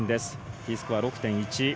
Ｄスコア６．１。